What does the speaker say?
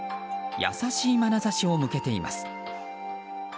優しいまなざしを向けています。